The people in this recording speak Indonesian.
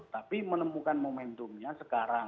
tapi menemukan momentumnya sekarang